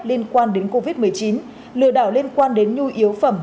liên quan đến covid một mươi chín lừa đảo liên quan đến nhu yếu phẩm